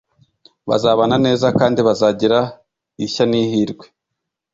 bazabana neza kandi bazagira ishya n’ihirwe